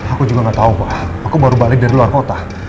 aku juga gak tahu wah aku baru balik dari luar kota